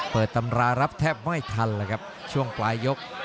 ตำรารับแทบไม่ทันเลยครับช่วงปลายยก